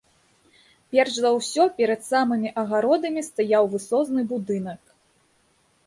Перш за ўсё, перад самымі агародамі стаяў высозны будынак.